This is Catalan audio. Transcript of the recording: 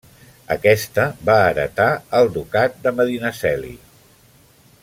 Aquesta va heretar el ducat de Medinaceli.